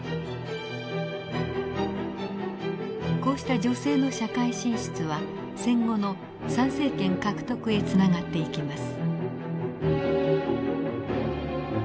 こうした女性の社会進出は戦後の参政権獲得へつながっていきます。